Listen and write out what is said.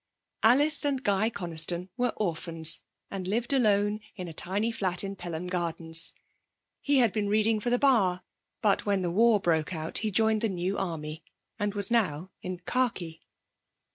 Alice and Guy Coniston were orphans, and lived alone in a tiny flat in Pelham Gardens. He had been reading for the Bar, but when the war broke out he joined the New Army, and was now in khaki.